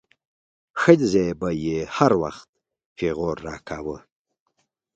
ښځې به يې هر وخت پيغور راکاوه.